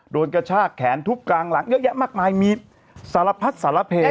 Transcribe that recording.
กระชากแขนทุบกลางหลังเยอะแยะมากมายมีสารพัดสารเพ